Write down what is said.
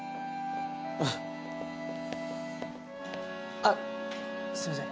あっすいません。